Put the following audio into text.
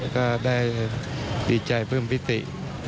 ก็ได้ดีใจเพิ่มพิธี